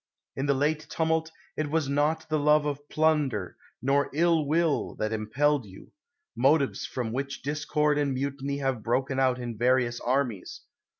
In the late tumult, it was not the love of plunder, nor ill will, that impelled you — motives from which discord and mutiny have broken out in various armies.